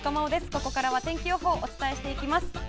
ここからは天気予報をお伝えしていきます。